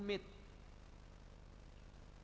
pemilu yang kita lalui bersama dengan aman nyaman dan lancar